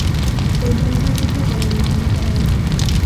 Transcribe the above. Se interesó mucho por el manga para adultos.